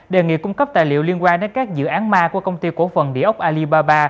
đề nghị cung cấp tài liệu liên quan đến các dự án ma của công ty cổ phần địa ốc alibaba